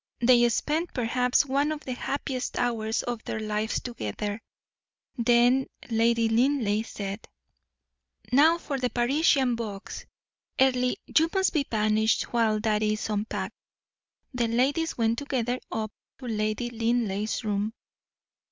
They spent perhaps one of the happiest hours of their lives together. Then Lady Linleigh said: "Now for the Parisian box. Earle, you must be banished while that is unpacked." The ladies went together up to Lady Linleigh's room.